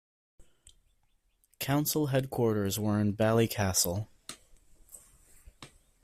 Council headquarters were in Ballycastle.